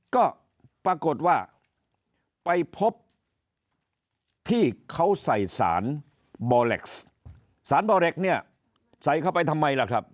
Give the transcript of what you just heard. ก็ปรากฏว่าไปพบที่เขาใส่สารบอเล็กซ์สารบอเล็กเนี่ยใส่เข้าไปทำไมล่ะครับ